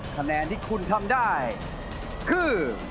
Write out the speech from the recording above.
คะแนนที่คุณทำได้คือ